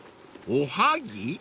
おはぎ？